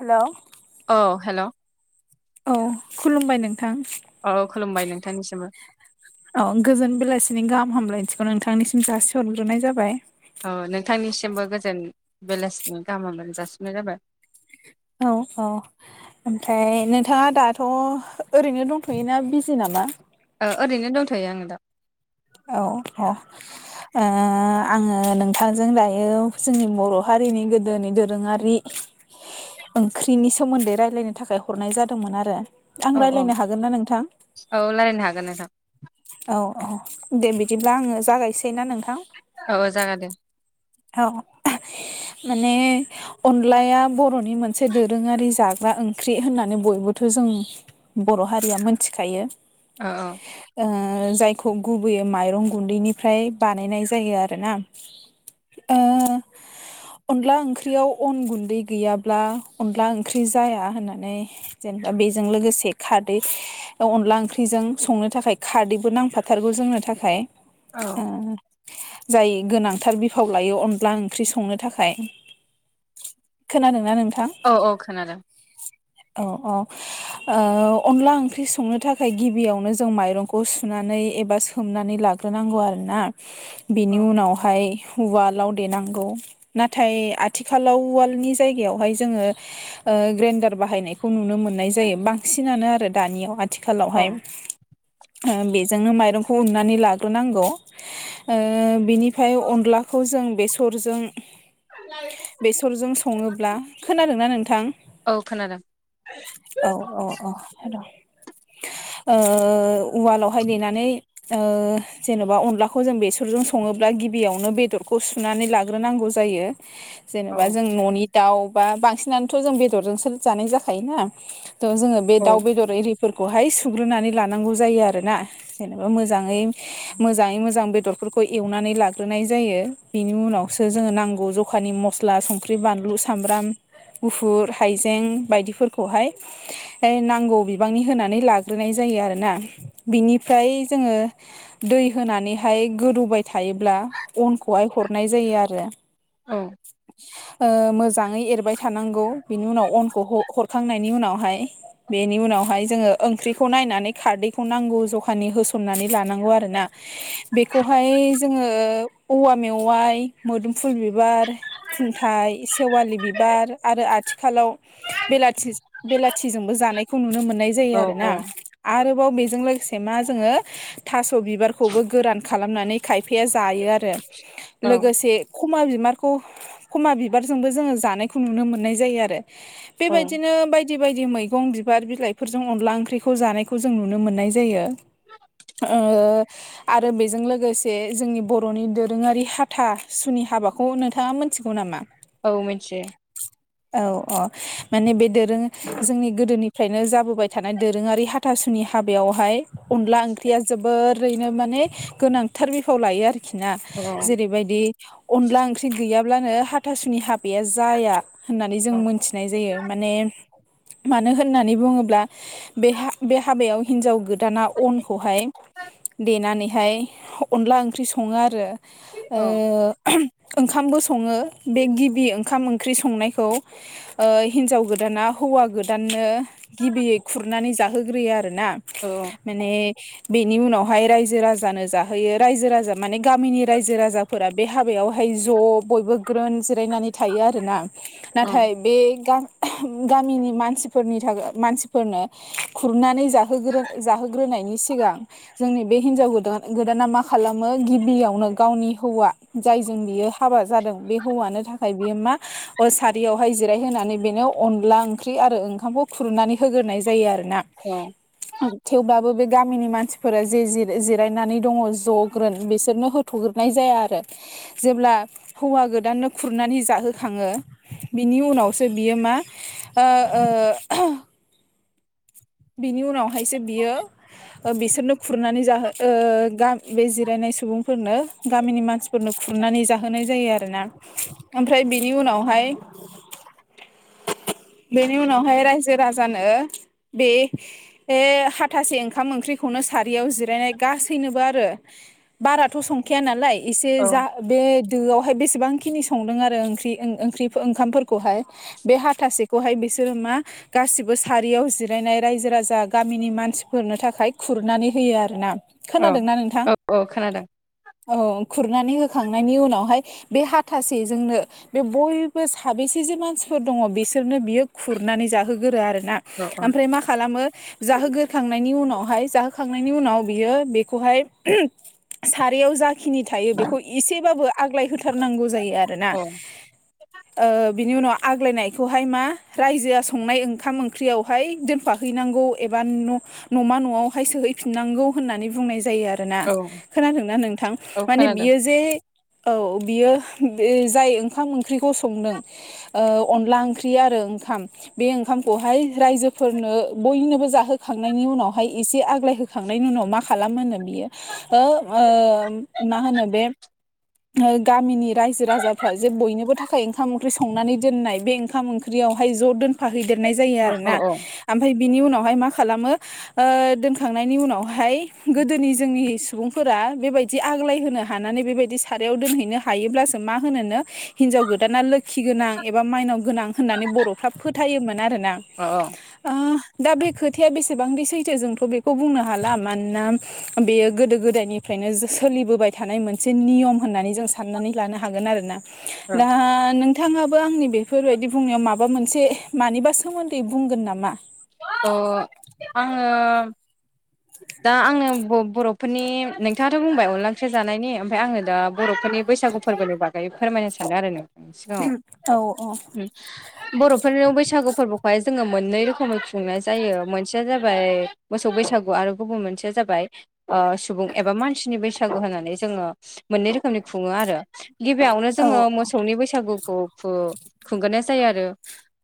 हेल' औ हेल' औ खुलुमबाय नोंथां औ खुलुमबाय नोंथांनिसिमबो औ गोजोन बेलासिनि गाहाम हामलायथिखौ नोंथांनिसिम जासि हरग्रोनाय जाबाय औ नोंथांनिसिमबो गोजोन बेलासिनि गाहाम मोनजासिनाय जाबाय औ औ ओमफ्राय नोंथाङा दाथ' ओरैनो दंथ'योना बिजि नामा ओ बा ओरैनो दंथ'यो आङो दा औ द आङो नोंथांजों दायो जोंनि बर' हारिनि गोदोनि दोरोङारि ओंख्रिनि सोमोन्दै रायलायनो थाखाय हरनाय जादोंमोन आरो आं औ औ राय्लायनो हागोन ना नोंथां औ रायलायनो हागोन नोंथां औ औ दे बिदिब्ला आङो जागायसै ना नोंथां औ औ जागोन दे औ माने अनलाया बर'नि मोनसे दोरोङारि जाग्रा ओंख्रि होननानै बयबो बेबोथ' जों बर' हारिया मोनथिखायो अ औ ओ जायखौ गुबैयै माइरं गुन्दैनिफ्राय बानायनाय जायो आरोोना [unintelligible] अनला ओंख्रियाव अन गुन्दै गैयाब्ला अनला ओंख्रि जाया होननानै जेनेबा बे बेजों लोगोसे खारदै अनला ओंख्रिजों संनो थाखाय खारदैबो नांफाथारगौ जोंनो थाखाय औ जाय गोनांथार बि गोथाव लायो अनला ओंख्रि संनो थाखाय खोनादोंना नों औ औ खोनादों औ औ अनला ओंख्रि संनो थाखाय गिबियावनो जों माइरंखौ सुनानै नानै एबा सोमनानै लाग्रोनांगौ आरोोना बिनि औ उनावहाय उवालाव देनांगौ नाथाय आथिखालाव उवालनि जायगायावहाय जोङो ग्रेन्डार बाहायनायखौ नुनो मोननाय जायो बांसिनानो आरो दानियाव औ आथिखालावहाय बेजोंनो माइरं ननानै लाग्रोनांगौ बिनिफ्राय अनला खौ जों बेसरजों बेसरजों सङोब्ला खोनादों ना नोंथां औ खोनादों औ औ औ हेल' उवालावहाय देनानै जेन'बा अनलाखौ जों बेसरजों सङोब्ला गिबियावनो बेदर खौ सुनानै लाग्रोनांगौ जायो जेनेबा औ जों न'नि दाउ बा बांसिनानोथ' जों बेदरजोंसो जानाय जाखायोना थ' जोङो बे औ दाउ बेदर एरि फोरखौहाय सुग्रोनानै लानांगौ जायो आरोोना जेनेबा मोजाङै मोजाङै मोजां बेदर बेफोरखौ एवनानै लाग्रोनाय जायो बेनि उनावसो जोङो नांगौ जखानि मस्ला संख्रि बानलु सामब्राम गुफुर हाइजें ें बायदिफोरखौहाय नांगौ बिबांनि होनानै लाग्रोनाय जायो आरोोना बिनिफ्राय जोङो दै होनानैहाय गोदौबाय थायोब्ला अन बेहाय हरनाय जायो आरो औ मोजाङै एरबाय थानांगौ बिनि उनाव अनखौ हरखांनायनि उनावहाय बेनि उनाव बावहाय जङो ओंख्रिखौ नायनानै खारैखौ नांगौ जखानि होसननानै लानांगौ आरोना बेखौहाय जोङो औवा मेवाइ मोदुमफुल बिबार खुनथाइ सेवालि बिबार आरो आथिालाव बेलाथि बेलाथिजोंबो जानायखौ नुनो मोननाय जायो‌ औ आरोना आरो आरोबाव बेजों लोगोसे मा जोङो थास' बिबारखौबो गोरान खालामनानै खायफाया जायो आरो औ लोगोसे खमा बिबारखौ खमा बिबारजोंबो जोङो जानायखौ नुनो मोननाय जायो आरो औ बेबायदिनो बायदि बायदि बायदि मैगं बिबार बिलाइफोरजों अनला ओंख्रिखौ जानायखौ जों नुनो मोननाय जायो औ आरो बेजों लोगोसे जोंनि बर'नि दोरोङारि हाथा सुनि हाबाखौ नोंथाङा मिथिगौ नामा औ मोनसे औ औ माने बे दोरो जोंनि गोदोनिफ्रायनो जाबोबाय थानाय दोरोङारि हाथ हाथासुनि हाबायावहाय अनला ओंख्रिया जोबोर ओरैनो माने गोनांथार बिफाव लायो आरोखि ना औ जेरैबायदि अनला ओंख्रि गैयाब्लानो हाथासुनि हाबैाया जाया होननानै जों औ मोनथिनाय जायो माने मानो होननानै बुङोब्ला बे बे हाबायाव हिन्जाव गोदाना अनखौहाय देनानैहाय अनला ओंख्रि सङो आरो औ ओंखामबो सङो बे गिबि ओंखाम ओंख्रि संनायखौ हिन्जाव गोदाना हौवा गोदाननो गिबियै खुरनानै जाहोग्रोयो आरोना औ माने बेनि उनावहाय रायजो राजानो जाहोयो रायजो राजा माने गामिनि रायजो राजाफोरा बे हाबायावहाय ज' बयबो ग्रोन जिरायनानै थायो आरोना नाथाय बे गा गामिनि मानसिफोरनि थाखाय मानसिफोरनो खुरनानै जाहोग्रो जाहोग्रोनो नायनि सिगां जोंनि बे हिनजाव गोदान गोदाना मा खालामो गिबियावनो गावनि हौवा जायजों बियो हाबा जादों बे हौवानो थाखाय बियो मा सारियावहाय जिरायहोनानै बेनो अनला ओंख्रि आरो ओंखामखौ खुरुननानै होग्रोनाय जायो आरो ना थेवब्लाबो बे गामिनि मानसिफोरा जे जिरायनानै दङ ज' ग्रोन बिसोरनो हो थुग्रोनाय जाया आरो जेब्ला हौवा गोदाननो खुरनानै जाहोखाङो बिनि उनावसो बियो मा ओ ओ बिनि उनावहायसो बियो बिसोरनो खुरनानै जाहो ओ गा बे जिरायनाय सुबुं फोरनो गामिनि मानसिफोरनो खुरनानै जाहोनाय जायो आरोोना ओमफ्राय बिनि उनावहाय [inaudible] बेनि उनावहाय रायजो राजानो बे हाथासे ओंखाम ओंख्रिखौ नो सारियाव जिरायनाय गासैनोबो आरो बारा थ' संखाया नालाय एसे औ जा बे दोआवहाय बेसेबां खिनि संदों आरो ओंख्रि ओंखामफोरखौहाय बे हाथासेखौहाय बे सो मा गासिबो सारियाव जिरायनाय रायजो राजा गामिनि मानसिफोरनो थाखाय खुरनानै होयो आरो ना औ औ औ खोनादों औ खुरनानै होखांनायनि उनावहाय बे हाथासेजोंनो बे बयबो साब‌ बेसे जे मानसिफोर दङ बिसोरनो बियो खुरनानै जाहोगोरो आरो ना औ ओमफ्राय मा खालामो जाहोग्रोखांनायनि उनाव अहाय जाहोखांनायनि उनाव बियो बिखौहाय सारियाव जा खिनि थायो बेखौ एसेबाबो आग्लाय होथारनांगौ जायो आरोना औ बिनि उनाव आग्लायनायखौहाय मा रायजोआ संनाय ओंखाम ओंख्रियावहाय दोनफा हैनांगौ एबा न'मा न'आवहाय सोहैफिननांगौ होननानै बुंनाय जा जायो आरोना औ खोनादोंना नोंथां औ माने खोनादों बियो जे औ बियो बे जाय ओंखाम ओंख्रिखौ संदों ओ अनला ओंख्रि आरो ओ ओखाम बे ओंखामखौहाय रायजोफोरनो बयनोबो जाहोखांनायनि उनावहाय एसे आग्लायहो खांनायनि उनाव मा खालाम होनो बियो मा होनो बे गामिनि रायजो राजाफ्रा जे बयनिबो थाखाय ओंखाम ओंख्रि संनानै दोननाय बे ओंखाम ओंख्रि यावहाय ज' दोनफा हैदेरनाय जायो औ औ आरोना ओमफाय बिनि उनावहाय मा खालामो ओ दोनखांनायनि उनावहाय गोदोनि जोंनि सुबुंफोरा बेबायदि आग्लाय होनो हानानै बेबायदि सारायाव दोनहैनो हायोब्लासो मा होनोनो हिनजाव गोदाना लोखि गोनां एबा माइनाव गोनां होननानै बर'फ्रा फोथायोमोन आरोन ना औ ओ दा बे खोथाया बेसेबांदि सैथो जोंथ' बेखौ बुंनो हाला मानोना बेयो गोदो गोदोनिफ्रायनो सोलिबोबाय थानाय मोनसे नियम होननानै जों साननानै लानो हागोन आरो ना औ दा नों नोंथाङाबो आंनि बेफोरबायदि बुंनायाव माबा मोनसे मानिबा सोमोन्दै बुंगोन नामा? अ आङो दा आङो बर'फोरनि नोंथाङाथ' बुंबाय अनला ओंख्रिआ जानायनि ओमफ्राय आङो दा बर'फोरनि बैसागु फोरबोनि बागै फोरमायनो सानो आरो नों सिगाङाव औ औ बर'फोरनि बैसागु फोरबोखौहाय जोङो मोननै रोखोमै खुंनाय जायो मोनसेया जाबाय मोसौ बैसागु आरो गुबुन मोनसेया जाबाय सुबुं एबा मानसिनि बैसागु होनानै जोङो मोननै रोखोमनि खुङो आरो गिबियावनो औ जोङो मोसौनि बैसागुखौ फु खुंगोनाय जायो आरो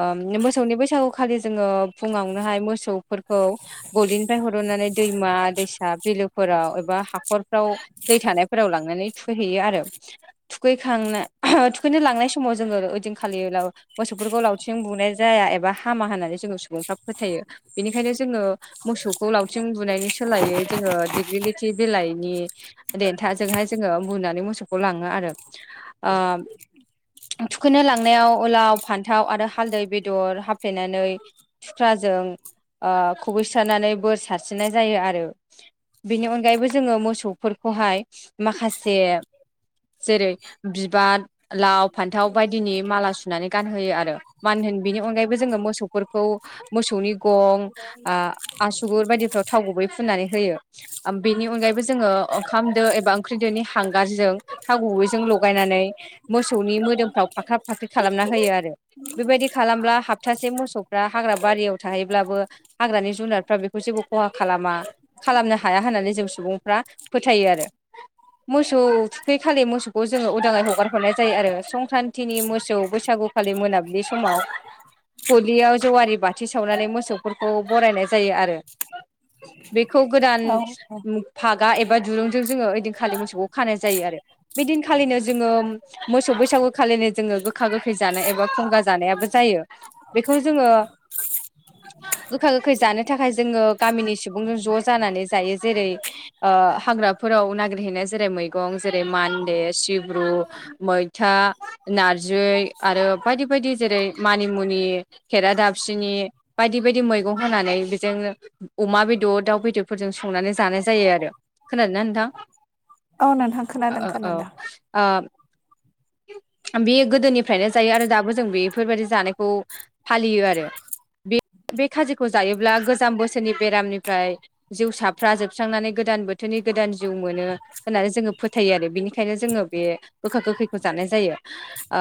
ओ मोसौनि बैसागु खालि जोङो फुङावनोहाय मोसौफोरखौ गलिनिफ्राय हरननानै दैमा दैसा बिलोफोराव एबा हाखराव दै थानायफोराव लांनानै थुखै हैयो आरो थुखै खांना थु लांनाय समाव जोङो ओदिनखालि मोसौफोरखौ लावथिंजों बुनाय जाया एबा हामा होननानै जोङो सुबुं फोरा फोथायो बेनिखायनो जोङो मोसौखौ लावथिं बुनायनि सोलायै जोङो दिगलिथि बिलाइनि देथाजोंहाय जोङो बुनानै मोसौखौ लाङो आरो थुखैनो लांनायाव लाव फान्थाव आरो हालदै बेदर हाफ्लेनानै सुख्राजों ओ खुबैस्रनानै बोर सारस्रिनाय जायो आरो बेनि अनगायैबो जोङो मोसौफोरखौहाय माखासे जेरै बिबार लाव फान्थाव बायदिनि माला सुनानै गानहोयो आरो मानो होनो बिनि अनगायैबो जोङो मोसौफोर खौ मोसौनि गं आसुगुर बायदिफ्राव थाव गुबै फुननानै होयो बेनि अनगायैबो जोङो ओंखामदो एबा ओंख्रिदोनि हांगारजों थाव गुबैजों लगायनानै मोसौनि मोदोमफ्राव फाख्रा फाख्रि खालामना होयो आरो बेबायदि खालामब्ला हप्तासे मोसौ हाग्रा बारियाव थाहैब्लाबो हाग्रानि जुनारफ्रा बेखौ जेबो खहा खालामा खालामनो हाया होननानै जों सुबुंफ्रा फोथायो आरो मोसौ थुखैखालि मोसौखौ जोङो उदाङै हगार हरनाय जायो आरो संक्रान्तिनि मोसौ बैसागु खालि मोनाबिलि समाव गलियाव जेवारि बाथि सावनानै मोसौफोरखौ बरायनाय जायो आरो बेखौ गोदान औ फागा एबा दुरुंजों जोङो ओइदिन खालि मोसौखौ खानाय जायो आरो बेदिनखालिनो जोङो मोसौ बैसागु खालिनो जोङो गोखा गोखै जानाय एबा खुंगा जानायाबो जायो बेखौ जोङो गोखा गोखै जानो थाखाय जोङो गामिनि सुबुंजों ज' जानानै जायो जेरै ओ हाग्राफोराव नागिरहैनाय जेरै मैगं जेरै मान्दे सिब्रु मैथा नारजि आरो बायदि बायदि जेरै मानिमुनि खेरा दाबसिनि बायदि बायदि मैगं होनानै बेजोंनो अमा बेदर दाउ बेदरफोरजों संनानै जानाय जायो आरो खोनादोना नोंथां औ नोंथां खोनादों ओ औ खोनादों आ बियो गोदोनिफ्रायनो जायो आरो दाबो जों बेफोरबायदि जानायखौ फालियो आरो। बि बे खाजिखौ जायोब्ला गोजाम बोसोरनि बेरामनिफ्राय जिउसाफ्रा जोबस्रांनानै गोदान बोथोरनि गोदान जिउ मोनो होननानै जोङो फोथायो आरो बिनिखायनो जोङो बे गोखा गोखैखौ जानाय जायो। आ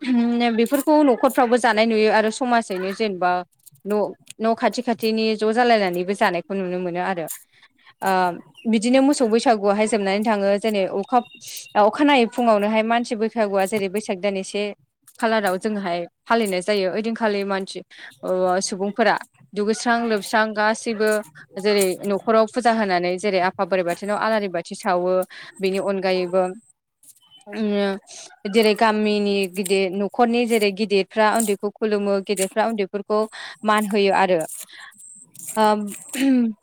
[unintelligible] बेफोरखौ न'खफ्राबो जानाय नुयो आरो समाजैनो जेनेबा न' न' खाथि खाथिनि ज' जालायनानैबो जानायखौ नुनो मोनो आरो। ओ बिदिनो मोसौ बैसागुवहाय जोबनानै थाङो जेनै अखा ओ अखानायै फुङावनो हाय मानसि बैसागुआ जेरै बैसाग दान एसे खालाराव जोंहाय फालिनाय जायो ओइदिनखालि मानसि ओ सुबुंफोरा दुगैस्रां लोबस्रां गासैबो जेरै न'खराव फुजा होनानै जेरै आफा बोराइ बाथिनाव आलारि बाथि सावो बेनि अनगायै यैबो उम जेरै गामिनि गिदिर न'खरनि जेरै गिदिद फ्रा उन्दैखौ खुलुमो गेदेरफ्रा उन्दैफोरखौ मान होयो आरो। आम [unintelligible]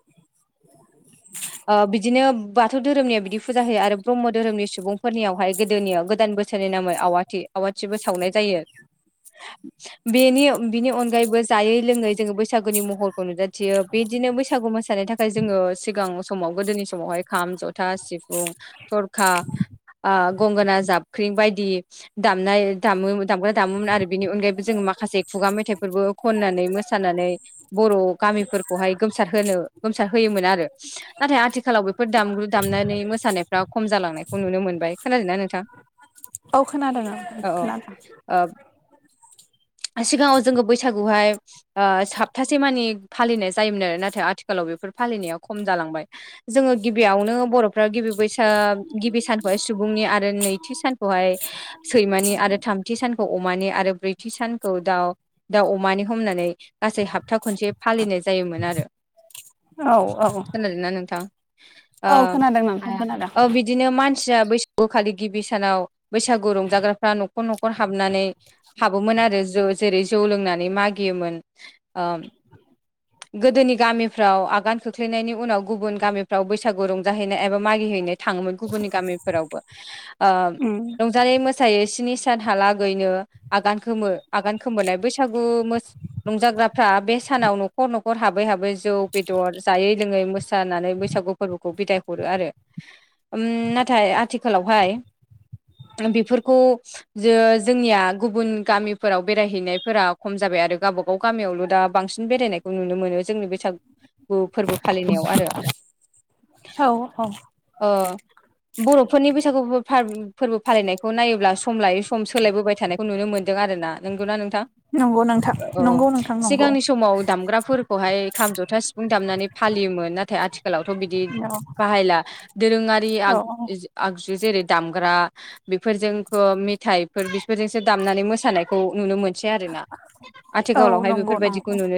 [inaudible] ओ बिदिनो बाथौ धोरोमनिया बिदि फुजा होयो आरो ब्रह्म धोरोमनि सुबुंफोरनियावहाय गोदोनिया गोदान बोसोरे नि नामै आवाथि आवाथिबो सावनाय जायो। बेनि बिनि अनगायैबो जायै लोङै जोङो बैसागुनि महरखौ नुजाथियो। बे दिनो बैसागु मोसानाय थाखाय जोङो सिगां समाव गोदोनि समावहाय खाम जथा सिफुं थरखा आ गंगोना जाबख्रिं बायदि दामनाय दाम दामग्रा दामोमोन आरो बेनि अनगायैबो जोङो माखासे खुगा मेथाइ फोरबो खननानै मोसानानै बर' गामिफोरखौहाय गोमसार होनो गोमसार होयोमोन आरो। नाथाय आथिखालाव बेफोर दामग्रु दामनानै मोसानायफ्रा खम जालांनायखौ नुनो मोनबाय। खोनादोंना नोंथां? औ खोनादों आं ओं औ खोनादों। ओ सिगाङाव जोङो बैसागुहाय ओ साप्थासे मानि फालिनाय जायोमोन आरो नाथाय आथिखालाव बे फोर फालिनायाव खम जालांबाय जोङो गिबियावनो बर'फ्रा गिबि बैसाग गिबि सानखौहाय सुबुंनि आरो नैथि सानखौहाय सैमानि आरो थामथि सानखौ अमानि आरो ब्रैथि सानखौ दाउ दाव अमानि हमनानै गासै हाबथा खनसे फालिनाय जायोमोन आरो। [inaudible] खोनादोंना नोंथां? आ औ खोनादों नोंथां खोनादों औ बिदिनो मान सिया बैसागु खालि गिबि सानाव बैसागु रंजाग्राफ्रा न'खर न'खर हाबनानै हाबोमोन आरो जो जौ जेरै जौ लोंनानै मागियोमोन आम गोदोनि गामिफ्राव आगानखो खोख्लैनायनि उनाव गुबुन गामिफ्राव बैसागु रंजाहैनाय एबा मागिहैनो थाङोमोन गुबुननि गामिफोरावबो। ओ उम रंजानाय मोस मोसायो स्नि सानहालागैनो आगान खोमोनाय आगान खोमोननाय बैसागु मोस रंजा ग्राफ्रा बे सानाव न'खर न'खर हाबै हाबै जौ बेदर जायै लोङै मोसानानै बैसागु फोरबोखौ बिदाय हरो आरो। उम नाथाय आथिखालावहाय बेफोरखौ जो जोंनिया गुबुन गामिफोराव बेरायहैनायफोरा खम जाबाय आरो गावबा गाव गामियावल' दा बांसिन बेरायनायखौ नुनो मोनो जोंनि बैसाग फोरबो फालिनायाव आरो। औ औ बर'फोरनि बैसागु बो फा फोरबो फालिनायखौ नायोब्ला सम लायै सम सोलायबोबाय थानायखौ नुनो मोनदों आरोना। नंगौना नोंथां? नंगौ नोंथां अ नंगौ नोंथां नंगौ सिगांनि समाव दामग्राफोर खौहाय खाम जथा सिफुं दामनानै फालियोमोन नाथाय आथिखालावथ' बिदि औ बाहायला। दोरोङारि आग औ जि आगज जेरै दामग्रा बेफोरजोंख' मेथाइफोर बिफोरजोंसो दामनानै मोसानायखौ नुनो मो मोनसै आरोना औ आथिखालावहाय नंगौ बेफोरबायदिखौ नंगौ नुनो